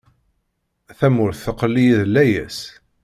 Tamurt teqqel-iyi d layas.